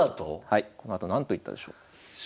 このあと何と言ったでしょう？